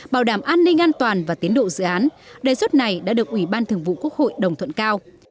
bảo đảm an ninh an toàn và tiến độ dự án đề xuất này đã được ủy ban thường vụ quốc hội đồng thuận cao